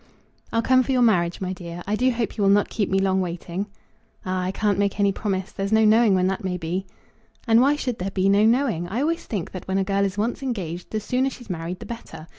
"I'll come for your marriage, my dear. I do hope you will not keep me long waiting." "Ah! I can't make any promise. There's no knowing when that may be." "And why should there be no knowing? I always think that when a girl is once engaged the sooner she's married the better.